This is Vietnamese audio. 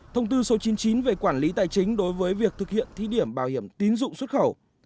thông tư số chín mươi chín về quản lý tài chính đối với việc thực hiện thí điểm bảo hiểm tín dụng xuất khẩu